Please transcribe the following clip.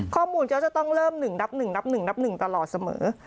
ข้อมูลก็จะต้องเริ่ม๑ดับ๑ตลอดเสมอ